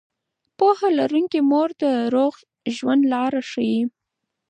پوهه لرونکې مور د روغ ژوند لاره ښيي.